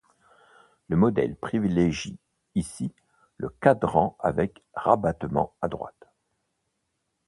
Le modèle privilégie ici le quadrant avec rabattement à droite.